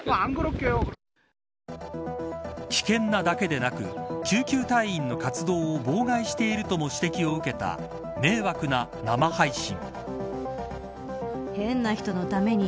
危険なだけでなく救急隊員の活動を妨害しているとの指摘を受けた迷惑な生配信。